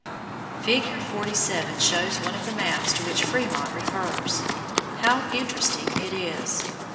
Figure 47 shows one of the maps to which Frémont refers. How interesting it is!